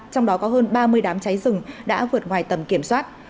trong đó có hơn ba mươi đám cháy rừng đã vượt ngoài tầm kiểm soát